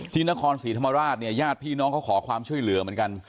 ที่นครศรีธรรมราชเนี่ยญาติพี่น้องเขาขอความช่วยเหลือเหมือนกัน